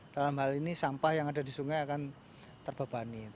dalam hal ini sampah yang ada di sungai akan terbebani